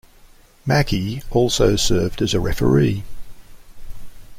Mackey also served as a referee.